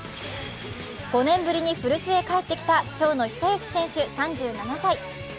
５年ぶりに古巣へ帰ってきた長野久義選手３７歳。